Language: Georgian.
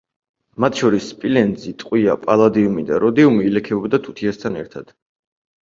მათ შორის სპილენძი, ტყვია, პალადიუმი და როდიუმი ილექებოდა თუთიასთან ერთად.